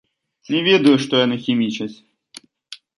Не ведаю, што яны хімічаць.